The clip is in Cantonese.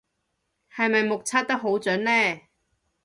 係咪目測得好準呢